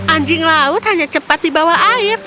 anjing laut hanya cepat dibawa air